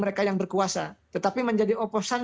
mereka yang berkuasa tetapi menjadi oposan